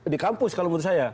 di kampus kalau menurut saya